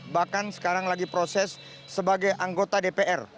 bahkan sekarang lagi proses sebagai anggota dpr